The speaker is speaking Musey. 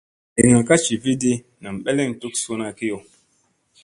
Geŋga ka jividi nam ɓeleŋ duk suuna kiyo.